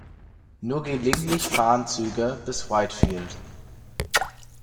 Nur gelegentlich fahren Züge bis Whitefield.